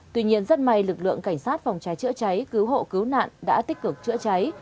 tuy nhiên rất may lực lượng cảnh sát phòng cháy chữa cháy cứu hộ cứu nạn đã tích cực chữa cháy